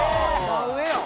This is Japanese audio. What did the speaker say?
「真上やん」